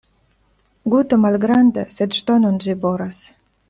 Guto malgranda, sed ŝtonon ĝi boras.